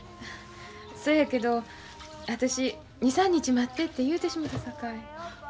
そやけど私２３日待ってって言うてしもたさかい。